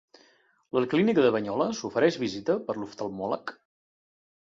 La clínica de Banyoles ofereix visita per l'oftalmòleg?